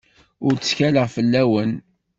Ur ttkaleɣ fell-awen.